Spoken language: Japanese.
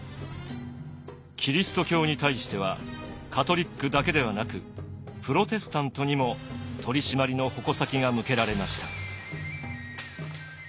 キリスト教に対してはカトリックだけではなくプロテスタントにも取締りの矛先が向けられました。